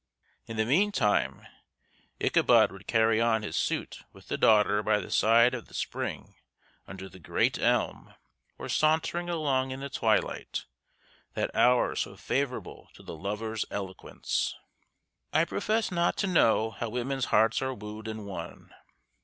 In the meantime, Ichabod would carry on his suit with the daughter by the side of the spring under the great elm, or sauntering along in the twilight, that hour so favorable to the lover's eloquence. I profess not to know how women's hearts are wooed and won.